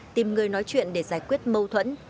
tìm người nói chuyện để giải quyết mâu thuẫn